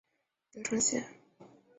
德城线